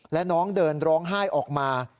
และน้องเดินร้องไห้ออกมา